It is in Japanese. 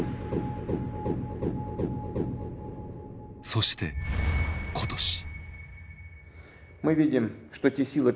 そして今年。